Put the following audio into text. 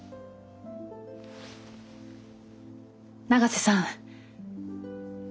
永瀬さん